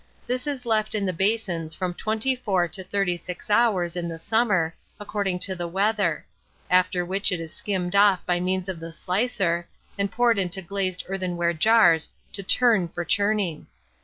This is left in the basins from twenty four to thirty six hours in the summer, according to the weather; after which it is skimmed off by means of the slicer, and poured into glazed earthenware jars to "turn" for churning.